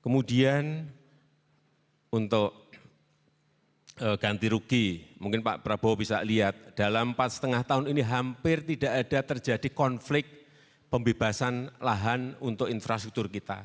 kemudian untuk ganti rugi mungkin pak prabowo bisa lihat dalam empat lima tahun ini hampir tidak ada terjadi konflik pembebasan lahan untuk infrastruktur kita